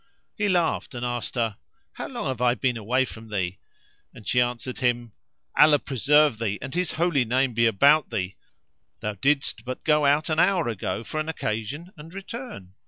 He laughed and asked her, "How long have I been away from thee?"; and she answered him, "Allah preserve thee and His Holy Name be about thee! Thou didst but go out an hour ago for an occasion and return.